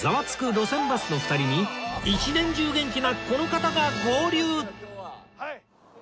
路線バス』の２人に１年中元気なこの方が合流！